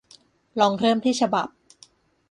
ลองเริ่มที่ฉบับ